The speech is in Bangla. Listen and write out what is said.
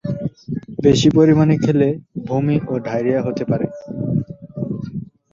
বেশি পরিমানে খেলে বমি ও ডায়রিয়া হতে পারে।